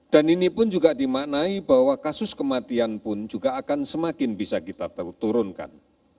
dan ini pun juga dimaknai bahwa kasus kematian pun juga akan semakin bisa kita turunkan